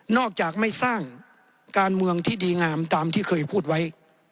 จากไม่สร้างการเมืองที่ดีงามตามที่เคยพูดไว้